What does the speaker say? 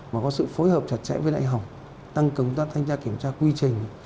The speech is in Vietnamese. mà có sự phối hợp chặt chẽ với đại học tăng cường công tác thanh tra kiểm tra quy trình